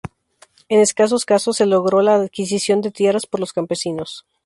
En escasos casos se logró la adquisición de tierras por los campesinos.